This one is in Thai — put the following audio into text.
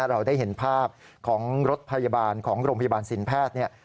เราได้เห็นภาพของรถพยาบาลของโรงพยาบาลสินแพทย์